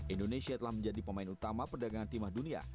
indonesia telah menjadi pemain utama perdagangan timah dunia